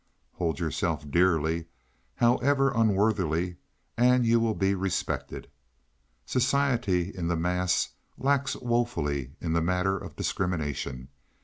Hold yourself dearly, however unworthily, and you will be respected. Society, in the mass, lacks woefully in the matter of discrimination.